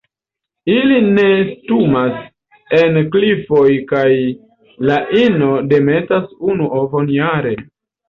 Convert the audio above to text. Ili nestumas en klifoj kaj la ino demetas unu ovon jare.